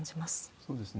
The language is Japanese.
そうですね。